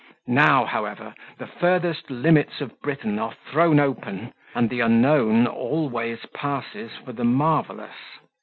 Now, however, the furthest limits of Britain are thrown open, and the unknown always passes for the marvellous.